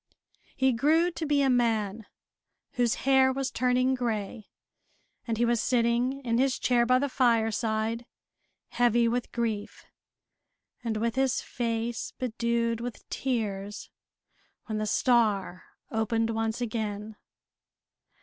He grew to be a man, whose hair was turning gray, and he was sitting in his chair by the fireside, heavy with grief, and with his face bedewed with tears, when the star opened once again.